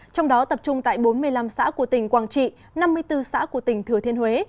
trong đó tập trung tại bốn mươi năm xã của tỉnh quảng trị năm mươi bốn xã của tỉnh thừa thiên huế